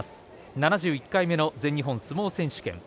７１回目の全日本相撲選手権。